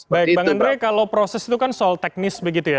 baik bang andre kalau proses itu kan soal teknis begitu ya